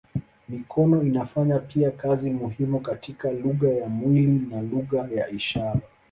Mikono inafanya pia kazi muhimu katika lugha ya mwili na lugha ya ishara.